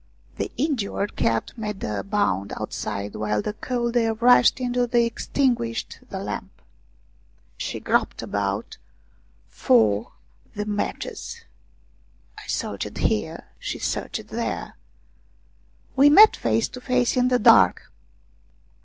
The injured cat made a bound outside while the cold air rushed in and extinguished the lamp. She groped about for the 40 ROUMANIAN STORIES matches. I searched here, she searched there. We met face to face in the dark.